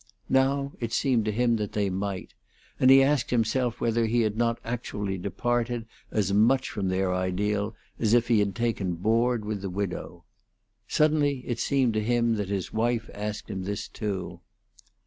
Now it seemed to him that they might; and he asked himself whether he had not actually departed as much from their ideal as if he had taken board with the widow. Suddenly it seemed to him that his wife asked him this, too.